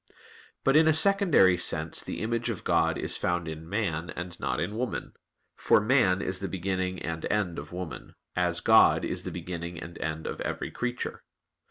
But in a secondary sense the image of God is found in man, and not in woman: for man is the beginning and end of woman; as God is the beginning and end of every creature.